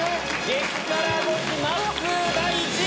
激辛ゴチまっすー第１位！